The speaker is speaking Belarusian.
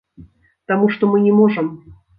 Таму што мы не можам.